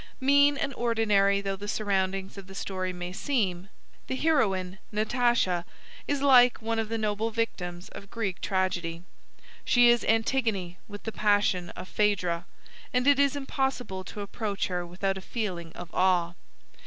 Mean and ordinary though the surroundings of the story may seem, the heroine Natasha is like one of the noble victims of Greek tragedy; she is Antigone with the passion of Phaedra, and it is impossible to approach her without a feeling of awe.